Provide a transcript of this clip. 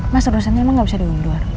mas urusan ini emang gak bisa digungguar